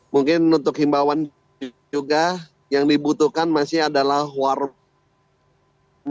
mungkin untuk himbawan juga yang dibutuhkan masih adalah warna